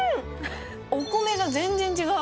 ・お米が全然違う・